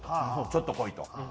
ちょっと来いと。